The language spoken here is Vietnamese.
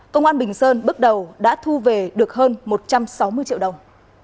công an bình sơn bước đầu đã thu về được hơn một trăm sáu mươi triệu đồng